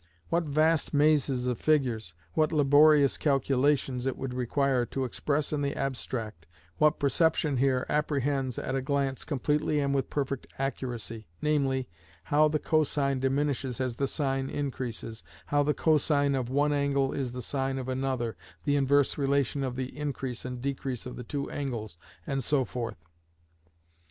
What vast mazes of figures, what laborious calculations it would require to express in the abstract what perception here apprehends at a glance completely and with perfect accuracy, namely, how the co sine diminishes as the sine increases, how the co sine of one angle is the sine of another, the inverse relation of the increase and decrease of the two angles, and so forth.